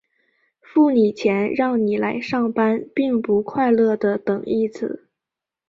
付你钱让你来上班并不快乐的等义词。